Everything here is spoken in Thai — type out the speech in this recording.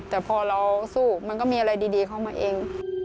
แต่พอเราสู้มันก็มีอะไรดีเข้ามาเอง